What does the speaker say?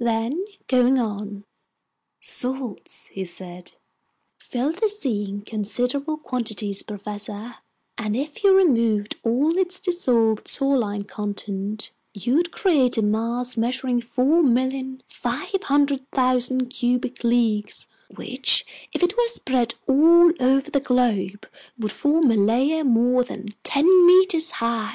Then, going on: "Salts," he said, "fill the sea in considerable quantities, professor, and if you removed all its dissolved saline content, you'd create a mass measuring 4,500,000 cubic leagues, which if it were spread all over the globe, would form a layer more than ten meters high.